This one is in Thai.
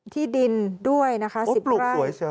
ที่ดินด้วยนะคะ๑๐ลูก